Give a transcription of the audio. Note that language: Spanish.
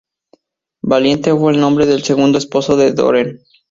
Valiente fue el nombre del segundo esposo de Doreen.